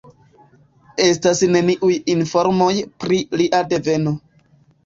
Estas neniuj informoj pri lia deveno.